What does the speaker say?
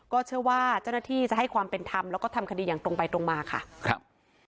เชื่อว่าเจ้าหน้าที่จะให้ความเป็นธรรมแล้วก็ทำคดีอย่างตรงไปตรงมาค่ะครับ